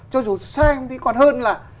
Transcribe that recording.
cho dù xem thì còn hơn là